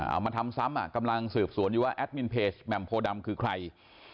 เอามาทำซ้ำอ่ะกำลังสืบสวนอยู่ว่าแอดมินเพจแหม่มโพดำคือใคร